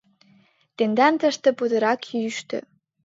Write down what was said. Тендан тыште путырак йӱштӧ.